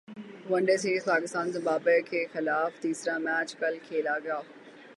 one day سیریزپاکستان Zimbabwe کیخلاف تیسرا match کل کھیلے گا